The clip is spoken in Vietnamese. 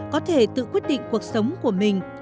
có thể tự quyết định cuộc sống của mình